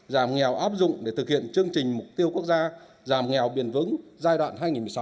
giảm nghèo áp dụng để thực hiện chương trình mục tiêu quốc gia giảm nghèo biển vững giai đoạn hai nghìn một mươi sáu hai nghìn hai mươi